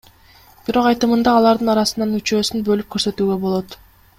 Бирок айтымында, алардын арасынан үчөөсүн бөлүп көрсөтүүгө болот.